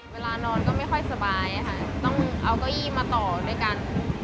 เวลานอนก็ไม่ค่อยสบายค่ะต้องเอาเก้าอี้มาต่อด้วยกัน